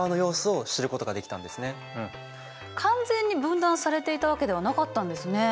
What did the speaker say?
完全に分断されていたわけではなかったんですね。